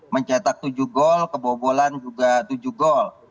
mencetak tujuh gol kebobolan juga tujuh gol